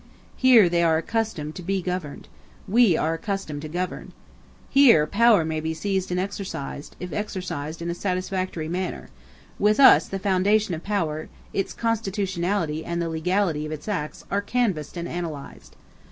Here they are accustomed to be governed. We are accustomed to govern. Here power may be seized and exercised, if exercised in a satisfactory manner; with us the foundation of power, its constitutionality and the legality of its acts are canvassed and analyzed.